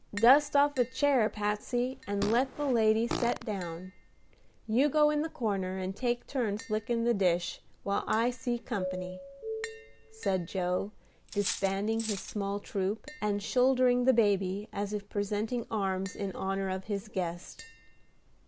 Dust off a chair, Patsey, and let the lady set down. You go in the corner, and take turns lickin' the dish, while I see company," said Joe, disbanding his small troop, and shouldering the baby as if presenting arms in honor of his guest.